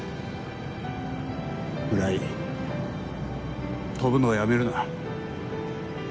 「村井飛ぶのをやめるな」。